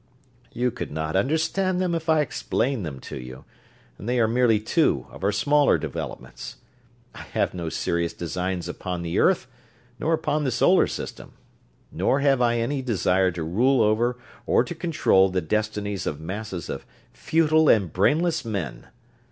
"You could not understand them if I explained them to you, and they are merely two of our smaller developments. I have no serious designs upon the earth nor upon the Solar System, nor have I any desire to rule over, or to control the destinies of masses of futile and brainless men.